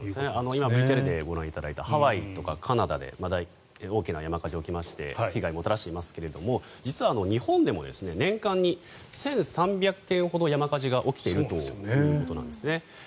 今、ＶＴＲでご覧いただいたハワイとかカナダで大きな山火事が起きまして被害をもたらしていますが実は日本でも年間に１３００件ほど山火事が起きているということなんです。